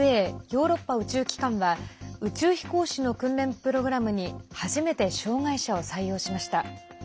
ＥＳＡ＝ヨーロッパ宇宙機関は宇宙飛行士の訓練プログラムに初めて障害者を採用しました。